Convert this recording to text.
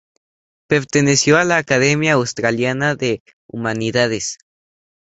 Perteneció a la Academia Australiana de Humanidades.